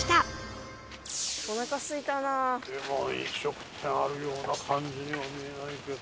でも飲食店あるような感じには見えないけど。